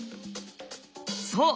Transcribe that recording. そう！